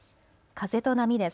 風と波です。